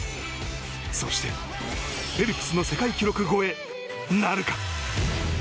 そして、フェルプスの世界記録超えなるか。